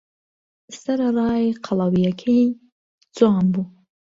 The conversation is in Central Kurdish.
سەرەڕای قەڵەوییەکەی، جوان بوو.